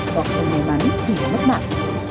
hoặc không may mắn thì mất mạng